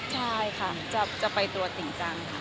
ใช่ค่ะจะไปตัวจริงจังค่ะ